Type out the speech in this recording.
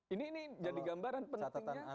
ini jadi gambaran pentingnya